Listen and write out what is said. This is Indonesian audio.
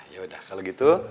yaudah kalau gitu